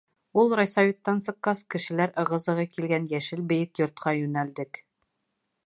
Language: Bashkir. Ул райсоветтан сыҡҡас, кешеләр ығы-зығы килгән йәшел бейек йортҡа йүнәлдек.